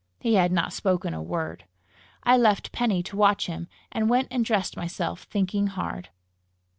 He had not spoken a word. I left Penny to watch him, and went and dressed myself, thinking hard.